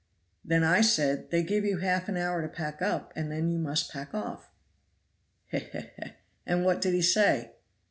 Then I said, 'They give you half an hour to pack up and then you must pack off.'" "He! he! he! and what did he say?"